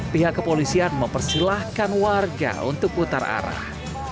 pihak kepolisian mempersilahkan warga untuk putar arah